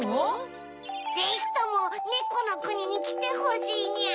ぜひともねこのくににきてほしいにゃ。